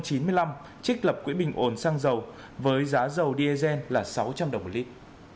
trích lập quỹ bình ổn xăng dầu với giá dầu diesel là sáu trăm linh đồng một lít